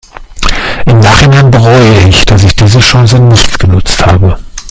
Im Nachhinein bereue ich, dass ich diese Chance nicht genutzt habe.